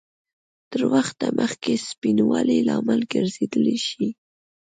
تر وخته مخکې سپینوالي لامل ګرځېدای شي؟